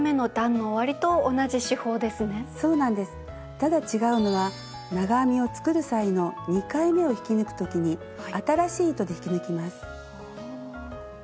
ただ違うのは長編みを作る際の２回めを引き抜く時に新しい糸で引き抜きます。